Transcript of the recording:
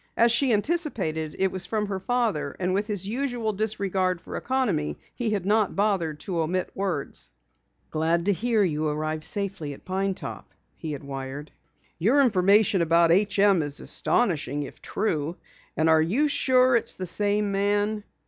As she anticipated, it was from her father, and with his usual disregard for economy he had not bothered to omit words. "Glad to learn you arrived safely at Pine Top," he had wired. "Your information about H. M. is astonishing, if true. Are you sure it is the same man?